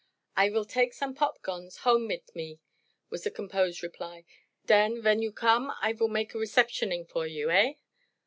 "I vill take some popguns home mit me," was the composed reply. "Den, ven you come, I vill make a receptioning for you. Eh?"